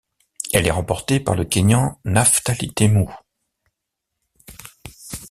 Elle est remportée par le Kényan Naftali Temu.